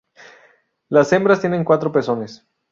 Las hembras tienen cuatro pezones.